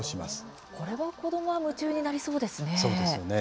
これは子どもは夢中になりそうですね。